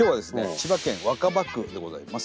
千葉県若葉区でございます。